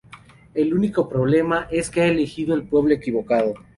El único problema es que ha elegido el pueblo equivocado.